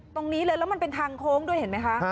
ตรงนี้เลยแล้วมันเป็นทางโค้งด้วยเห็นไหมคะ